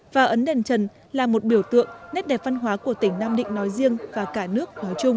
và ấn đền trần là một biểu tượng nét đẹp văn hóa của tỉnh nam định nói riêng và cả nước nói chung